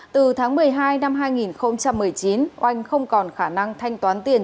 từ tháng một mươi hai năm hai nghìn một mươi chín oanh không còn khả năng thanh toán tiền